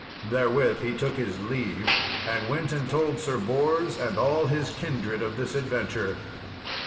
Therewith he took his leave, and went and told Sir Bors and all his kindred of this adventure.